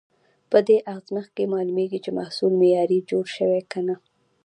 په دې ازمېښت کې معلومېږي، چې محصول معیاري جوړ شوی که نه.